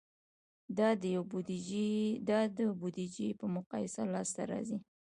دا د بودیجې په مقایسه لاسته راځي.